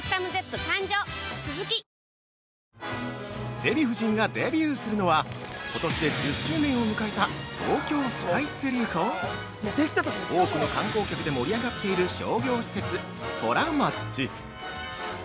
◆デヴィ夫人がデビューするのは今年で１０周年を迎えた「東京スカイツリー」と多くの観光客で盛り上がっている商業施設「ソラマチ」。